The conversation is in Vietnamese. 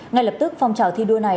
ngay lập tức phong trào thi đua này